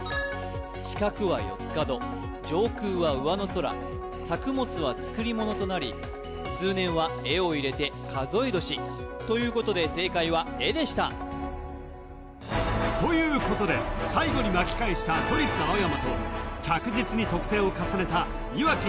「四角」は「四つ角」「上空」は「上の空」「作物」は「作り物」となり「数年」は「え」を入れて「数え年」ということで正解は「え」でしたということで最後に巻き返した都立青山と着実に得点を重ねたいわき